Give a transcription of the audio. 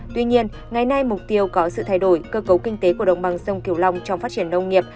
tuy nhiên ngày nay mục tiêu có sự thay đổi cơ cấu kinh tế của đồng bằng sông kiều long trong phát triển nông nghiệp